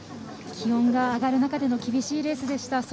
気温が上がる中での厳しいレースでした。